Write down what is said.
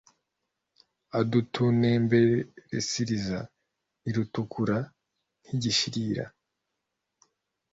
adutunumbersrira iritukura nk’igishirira